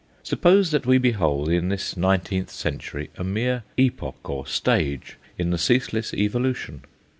Suppose that we behold, in this nineteenth century, a mere epoch, or stage, in the ceaseless evolution?